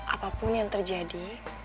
apapun yang terjadi